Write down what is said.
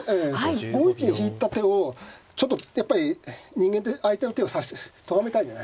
５一に引いた手をちょっとやっぱり人間って相手の手を指すとがめたいじゃないですか。